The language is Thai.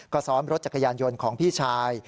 ก็ซ้อมรถจักรยานยนต์ของพี่ชาย